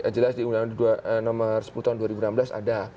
jelas di undang undang nomor sepuluh tahun dua ribu enam belas ada